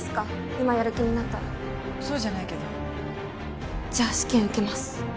今やる気になったらそうじゃないけどじゃあ試験受けます